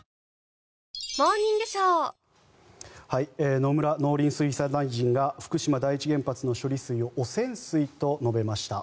野村農林水産大臣が福島第一原発の処理水を汚染水と述べました。